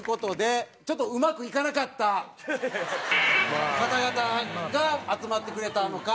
ちょっとうまくいかなかった方々が集まってくれたのか。